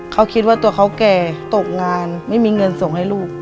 เขาคิดว่าตัวเขาแก่ตกงานไม่มีเงินส่งให้ลูก